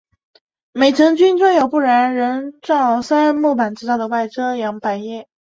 每层均装有不燃人造杉木板制成的外遮阳百叶。